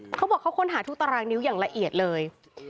เขาบอกเขาค้นหาทุกตารางนิ้วอย่างละเอียดเลย